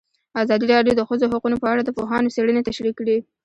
ازادي راډیو د د ښځو حقونه په اړه د پوهانو څېړنې تشریح کړې.